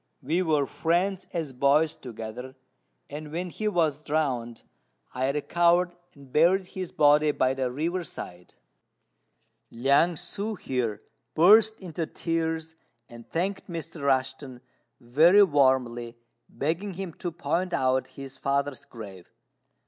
"We were friends as boys together; and when he was drowned, I recovered and buried his body by the river side." Liang ssŭ here burst into tears, and thanked Mr. Rushten very warmly, begging him to point out his father's grave.